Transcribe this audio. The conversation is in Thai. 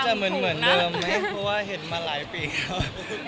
มันก็จะเหมือนเหมือนเดิมไหมเพราะว่าเห็นมาหลายปีแล้ว